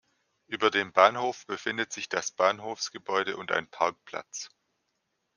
Über dem Bahnhof befindet sich das Bahnhofsgebäude und ein Parkplatz.